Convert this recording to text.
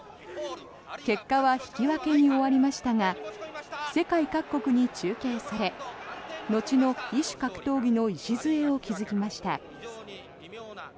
結果は引き分けに終わりましたが世界各国に中継され後の異種格闘技の礎を築きました。